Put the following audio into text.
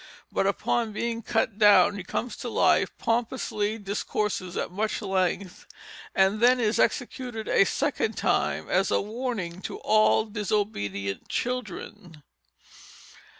But upon being cut down he comes to life, pompously discourses at much length, and then is executed a second time, as a warning to all disobedient children.